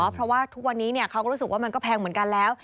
เพราะว่าทุกวันนี้เขาก็รู้สึกว่ามันก็แพงเหมือนกันแล้ว